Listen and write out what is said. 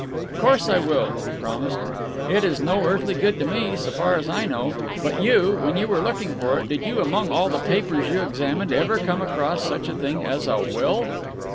"Of course I will," he promised. "It is no earthly good to me, so far as I know. But you, when you were looking for it, did you, among all the papers you examined, ever come across such a thing as a will?"